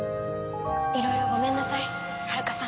いろいろごめんなさいはるかさん。